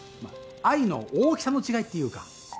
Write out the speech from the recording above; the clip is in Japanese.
まあ愛の大きさの違いっていうか。